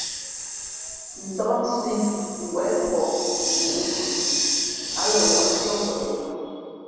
Ndák nsī ngwěʼpαhngǔʼ nkhʉ, ǎ lα wᾱʼ ntʉ́άngweʼ yᾱᾱ.